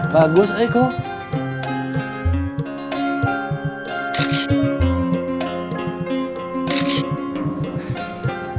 bagus ya kum